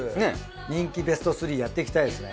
人気ベスト３やっていきたいですね。